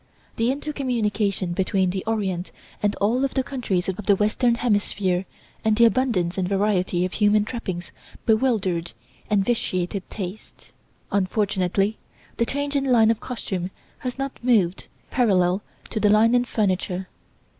The intercommunication between the Orient and all of the countries of the Western Hemisphere, and the abundance and variety of human trappings bewildered and vitiated taste. Unfortunately the change in line of costume has not moved parallel to the line in furniture.